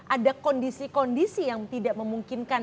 ada kondisi kondisi yang tidak memungkinkan